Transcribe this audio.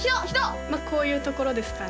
まあこういうところですかね